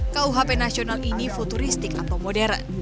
kuhp nasional ini futuristik atau modern